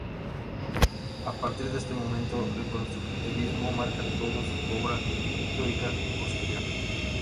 A partir de este momento el constructivismo marca toda su obra pictórica posterior.